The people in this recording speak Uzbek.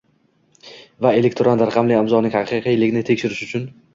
va elektron raqamli imzoning haqiqiyligini tekshirish uchun